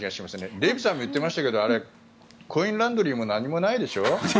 デーブさんも言っていましたけどコインランドリーも何もないでしょ？